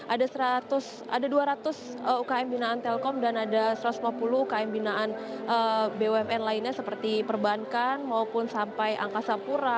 ada dua ratus ukm binaan telkom dan ada satu ratus lima puluh ukm binaan bumn lainnya seperti perbankan maupun sampai angkasa pura